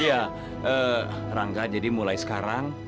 iya rangga jadi mulai sekarang